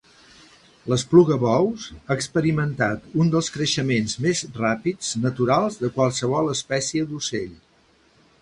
L'esplugabous ha experimentat un dels creixements més ràpids naturals de qualsevol espècie d'ocell.